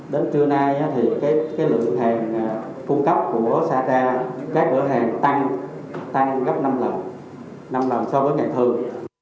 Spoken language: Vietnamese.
đến trưa nay thì cái lượng hàng cung cấp của sata các lượng hàng tăng tăng gấp năm lần năm lần so với ngày thường